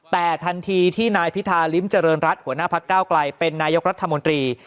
แต่ทันทีที่นายพิธาริมเจริญรัฐหัวหน้าพักเก้าไกลเป็นนายกรัฐมนตรี